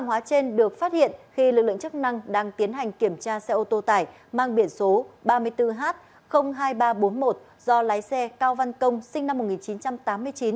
hàng hóa trên được phát hiện khi lực lượng chức năng đang tiến hành kiểm tra xe ô tô tải mang biển số ba mươi bốn h hai nghìn ba trăm bốn mươi một do lái xe cao văn công sinh năm một nghìn chín trăm tám mươi chín